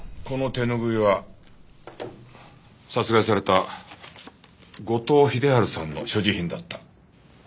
この手拭いは殺害された後藤秀春さんの所持品だった。